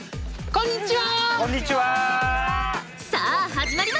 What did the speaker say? こんにちは！